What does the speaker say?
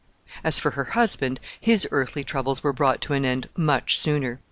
As for her husband, his earthly troubles were brought to an end much sooner.